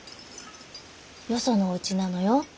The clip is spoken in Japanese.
よそのおうちなのよ。